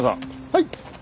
はい。